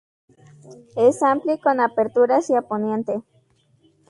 Es amplio y con apertura hacia poniente.